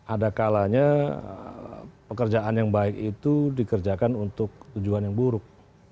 ada kalanya pekerjaan yang baik itu dikerjakan untuk tujuan yang buruk